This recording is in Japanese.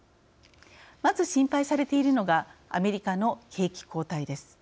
まず、心配されているのがアメリカの景気後退です。